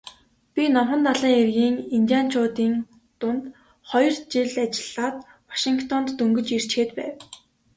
Би Номхон далайн эргийн индианчуудын дунд хоёр жил ажиллаад Вашингтонд дөнгөж ирчхээд байв.